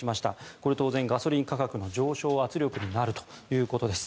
これは当然ガソリン価格の上昇圧力になるということです。